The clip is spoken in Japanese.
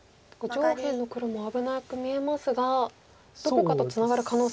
上辺の黒も危なく見えますがどこかとツナがる可能性も。